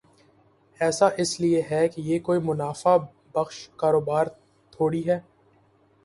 ایسا اس لئے ہے کہ یہ کوئی منافع بخش کاروبار تھوڑی ہے۔